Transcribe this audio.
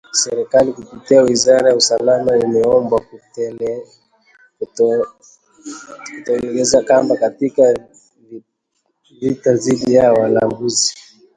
Serikali kupitia wizara ya usalama imeombwa kutolegeza kamba katika vita dhidi ya walanguzi